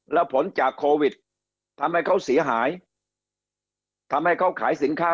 แล้วผลจากโควิดทำให้เขาเสียหายทำให้เขาขายสินค้า